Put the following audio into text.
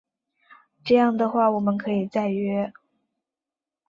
这样的话我们可以再约